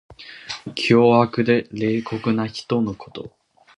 凶悪で冷酷な人のこと。